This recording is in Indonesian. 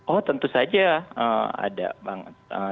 oh tentu saja ada banget